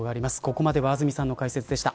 ここまでは安積さんの解説でした。